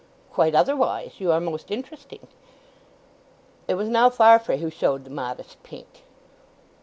"Quite otherwise. You are most interesting." It was now Farfrae who showed the modest pink.